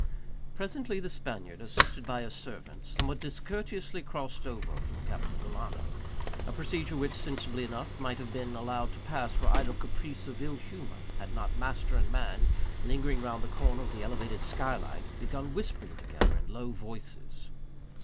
Presently the Spaniard, assisted by his servant somewhat discourteously crossed over from his guest; a procedure which, sensibly enough, might have been allowed to pass for idle caprice of ill humor, had not master and man, lingering round the corner of the elevated skylight, began whispering together in low voices.